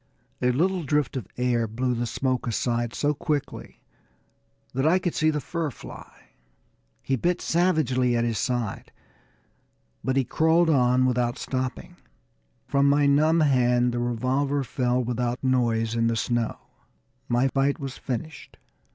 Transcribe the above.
A little drift of air blew the smoke aside so quickly that I could see the fur fly. He bit savagely at his side, but he crawled on without stopping. From my numb hand the revolver fell without noise in the snow my fight was finished.